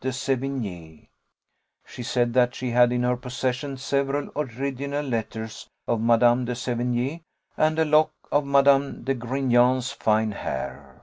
de Sevigné: she said that she had in her possession several original letters of Mad. de Sevigné, and a lock of Mad. de Grignan's fine hair.